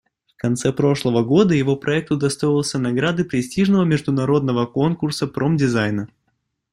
В конце прошлого года его проект удостоился награды престижного международного конкурса промдизайна.